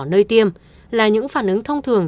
nơi tiêm là những phản ứng thông thường